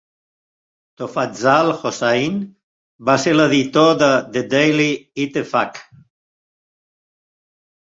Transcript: Tofazzal Hossain va ser l"editor de The Daily Ittefaq.